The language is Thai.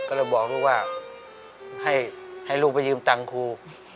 ก็เลยบอกลูกว่าให้ลูกไปยืมตังค์ครู